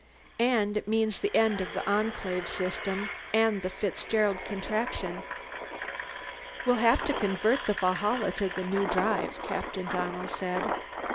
And it means the end of the Enclave system, and the Fitzgerald Contraction." "We'll have to convert the Valhalla to the new drive," Captain Donnell said.